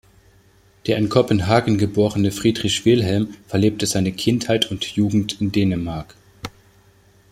Der in Kopenhagen geborene Friedrich Wilhelm verlebte seine Kindheit und Jugend in Dänemark.